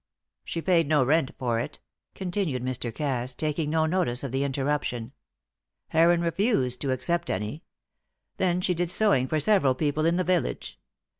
"She paid no rent for it," continued Mr. Cass, taking no notice of the interruption. "Heron refused to accept any. Then she did sewing for several people in the village.